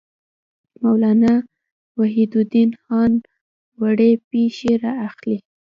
مولانا وحیدالدین خان وړې پېښې را اخلي.